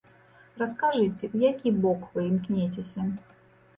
Раскажыце, у які бок вы імкнецеся?